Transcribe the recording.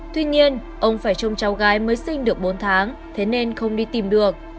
tuy nhiên ông phải trông cháu gái mới sinh được bốn tháng thế nên không đi tìm được